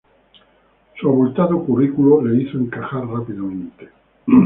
Su abultado currículo le hizo encajar rápidamente.